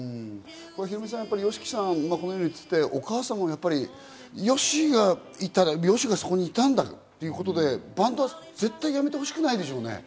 ヒロミさん、ＹＯＳＨＩＫＩさんはこのように言っていて、お母様もＹＯＳＨＩがいたら、そこにいたんだということで、バンドは絶対やめてほしくないでしょうね。